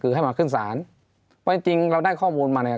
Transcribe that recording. คือให้มาขึ้นศาลเพราะจริงจริงเราได้ข้อมูลมาเนี่ย